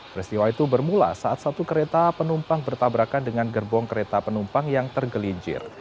peristiwa itu bermula saat satu kereta penumpang bertabrakan dengan gerbong kereta penumpang yang tergelincir